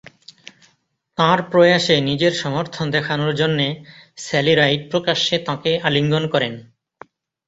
তাঁর প্রয়াসে নিজের সমর্থন দেখানোর জন্যে স্যালি রাইড প্রকাশ্যে তাঁকে আলিঙ্গন করেন।